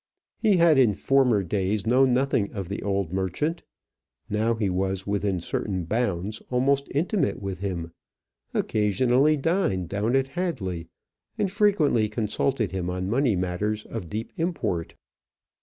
He had in former days known nothing of the old merchant; now he was, within certain bounds, almost intimate with him; occasionally dined down at Hadley, and frequently consulted him on money matters of deep import.